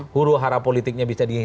huru harap politiknya bisa dikumpulkan